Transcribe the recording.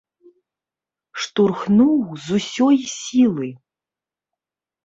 Штурхнуў з усёй сілы.